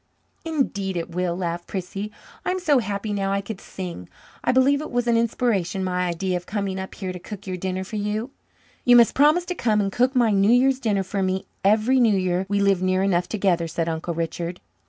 "Indeed it will!" laughed Prissy. "I'm so happy now I could sing. I believe it was an inspiration my idea of coming up here to cook your dinner for you." "You must promise to come and cook my New Year's dinner for me every New Year we live near enough together," said Uncle Richard.